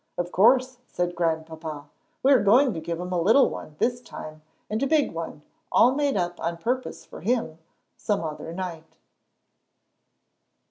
"Of course," said Grandpapa; "we are going to give him a little one this time, and a big one, all made up on purpose for him, some other night."